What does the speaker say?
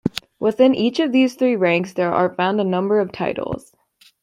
Within each of these three ranks there are found a number of titles.